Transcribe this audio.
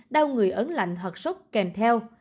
đau người ấn lạnh hoặc sốc kèm theo